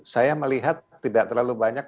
saya melihat tidak terlalu banyak